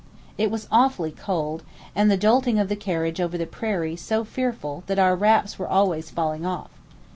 It was awfully cold, and the jolting of the carriage over the prairie so fearful that our wraps were always falling off.